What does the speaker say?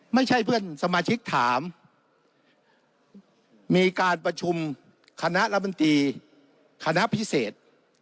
ไม่ใช่เพื่อนสมาชิกถามมีการประชุมคณะรัฐมนตรีคณะพิเศษ